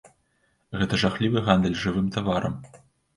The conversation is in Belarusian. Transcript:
Гэта жахлівы гандаль жывым таварам.